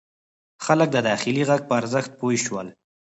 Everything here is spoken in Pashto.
خلک د داخلي غږ په ارزښت پوه شول.